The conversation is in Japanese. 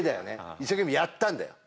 一生懸命やったんだよ